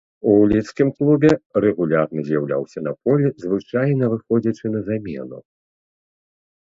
У лідскім клубе рэгулярна з'яўляўся на полі, звычайна выходзячы на замену.